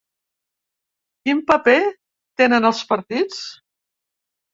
Quin paper tenen els partits?